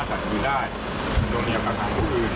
สวัสดีครับ